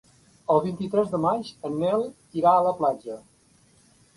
El vint-i-tres de maig en Nel irà a la platja.